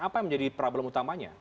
apa yang menjadi problem utamanya